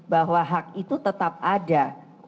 bahwa hak itu tetap ada